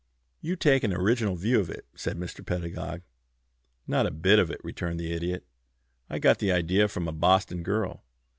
"You take an original view of it," said Mr. Pedagog. "Not a bit of it," returned the Idiot. "I got the idea from a Boston girl.